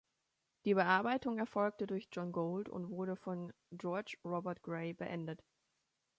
Die Bearbeitung erfolgte durch John Gould und wurde von George Robert Gray beendet.